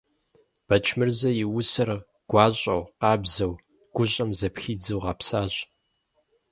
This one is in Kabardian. Бэчмырзэ и усэр гуащӀэу, къабзэу, гущӀэм зэпхидзу гъэпсащ.